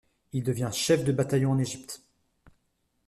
Il devient chef de bataillon en Égypte.